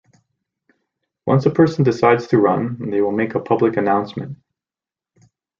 Once a person decides to run, they will make a public announcement.